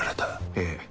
ええ。